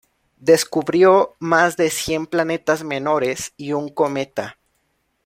Descubrió más de cien planetas menores y un cometa.